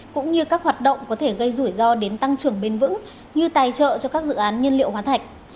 cũng như các hoạt động có thể gây rủi ro đến tăng trưởng bền vững như tài trợ cho các dự án nhiên liệu hóa thạch